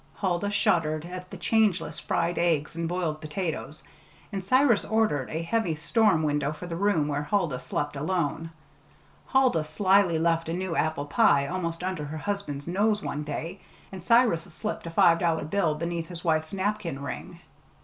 Huldah shuddered at the changeless fried eggs and boiled potatoes; and Cyrus ordered a heavy storm window for the room where Huldah slept alone. Huldah slyly left a new apple pie almost under her husband's nose one day, and Cyrus slipped a five dollar bill beneath his wife's napkin ring.